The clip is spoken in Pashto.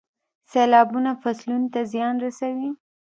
سیلابونه فصلونو ته زیان رسوي.